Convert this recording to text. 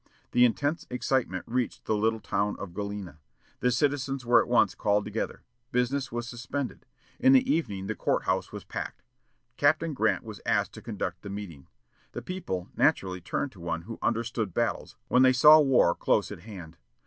The intense excitement reached the little town of Galena. The citizens were at once called together. Business was suspended. In the evening the court house was packed. Captain Grant was asked to conduct the meeting. The people naturally turned to one who understood battles, when they saw war close at hand.